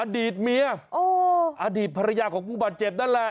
อดีตเมียอดีตภรรยาของผู้บาดเจ็บนั่นแหละ